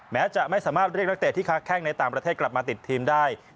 แม้จะไม่สามารถเรียกนักเตะที่ค้าแข้งในต่างประเทศกลับมาติดทีมได้